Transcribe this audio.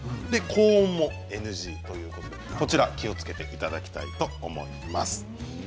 高温もＮＧということでこちら気をつけていただきたいと思います。